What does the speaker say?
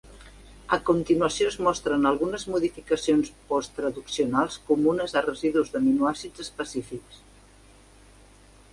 A continuació, es mostren algunes modificacions postraducionals comunes a residus d'aminoàcids específics.